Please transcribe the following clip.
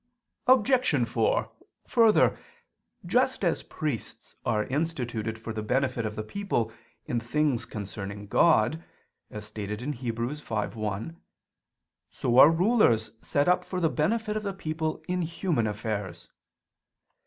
Obj. 4: Further, just as priests are instituted for the benefit of the people in things concerning God, as stated in Heb. 5:1; so are rulers set up for the benefit of the people in human affairs.